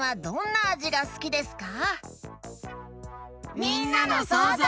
みんなのそうぞう。